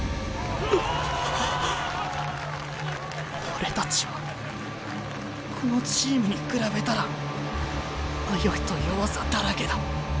俺たちはこのチームに比べたら迷いと弱さだらけだ。